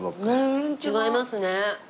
違いますね。